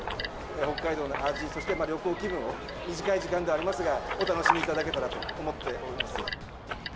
北海道の味、そして旅行気分を、短い時間ではありますが、お楽しみいただけたらと思っております。